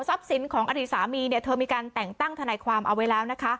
สินของอดีตสามีเธอมีการแต่งตั้งทนายความเอาไว้แล้วนะคะ